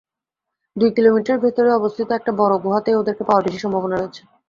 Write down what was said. দুই কিলোমিটার ভেতরে অবস্থিত একটা বড়ো গুহাতেই ওদেরকে পাওয়ার বেশি সম্ভাবনা রয়েছে।